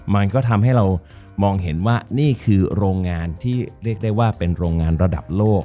มันก็ทำให้เรามองเห็นว่านี่คือโรงงานที่เรียกได้ว่าเป็นโรงงานระดับโลก